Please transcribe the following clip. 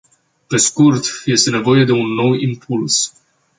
Pe scurt, este nevoie de un nou impuls.